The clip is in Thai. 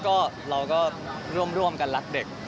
ก็เราก็ร่วมกันรักเด็ก